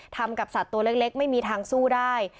ทำกับสัตว์ตัวเล็กไม่มีทางสู้ได้